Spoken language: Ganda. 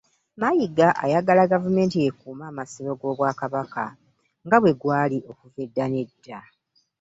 Mayiga ayagala gavumenti ekuume amasiro g'obwakabaka nga bwe gwali okuva edda n'edda.